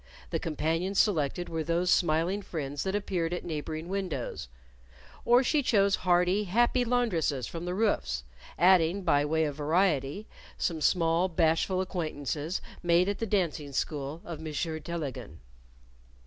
The companions selected were those smiling friends that appeared at neighboring windows; or she chose hearty, happy laundresses from the roofs; adding, by way of variety, some small, bashful acquaintances made at the dancing school of Monsieur Tellegen.